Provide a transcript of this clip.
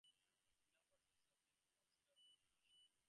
These numbers are subject to considerable variation.